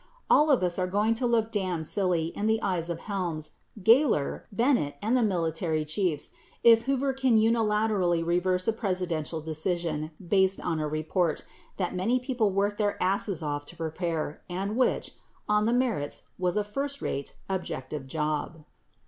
All of us are going to look damned silly in the eyes of Helms, Gayler, Bennett, and the military chiefs if Hoover can unilaterally reverse a Presidential decision based on a report that many people worked their asses off to prepare and which, on the merits, was a first rate, objective job.